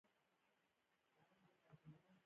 زما اندېښنه اوس موجوده ده.